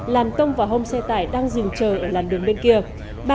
làn tông và hông xe tải đang dừng chờ ở làn đường bên kia